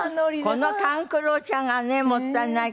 この勘九郎ちゃんがねもったいないことね。